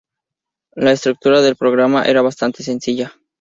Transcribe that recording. La estructura del programa era bastante sencilla.